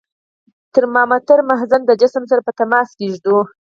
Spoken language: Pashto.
د ترمامتر مخزن د جسم سره په تماس کې ږدو.